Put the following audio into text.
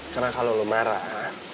karena kalau lo merah